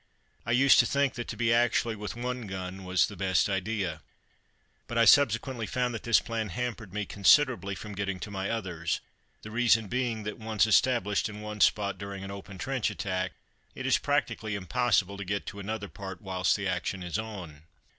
I used to think that to be actually with one gun was the best idea, but I subsequently found that this plan hampered me considerably from getting to my others; the reason being that, once established in one spot during an open trench attack, it is practically impossible to get to another part whilst the action is on.